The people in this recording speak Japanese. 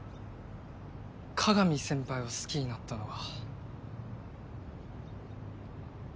鏡先輩を好きになったのは。